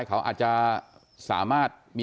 คุณสมพรค่ะ